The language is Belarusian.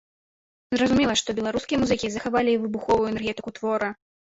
Зразумела, што беларускія музыкі захавалі выбуховую энергетыку твора.